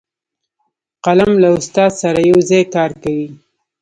قلم له استاد سره یو ځای کار کوي